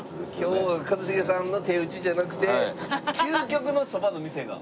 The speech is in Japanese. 今日は一茂さんの手打ちじゃなくて究極のそばの店が。